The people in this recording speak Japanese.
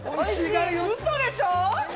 うそでしょ。